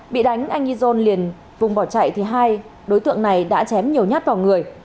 bị đánh anh izon liền vùng bỏ chạy thì hai đối tượng này đã chém nhiều nhát vào người